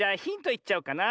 いっちゃおうかな。